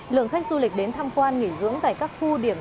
lượng khách du lịch đến tham quan nghỉ dưỡng tại các khu du lịch trong cả nước